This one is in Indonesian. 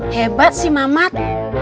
hebat si mamat